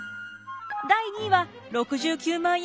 第２位は６９万円